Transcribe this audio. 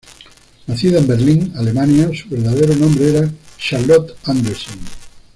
Nacida en Berlín, Alemania, su verdadero nombre era Charlotte Andresen.